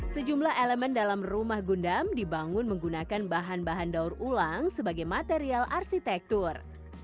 sejumlah elemen dalam rumah gundam dibangun menggunakan bahan bahan daur ulang sebagai material arsitektur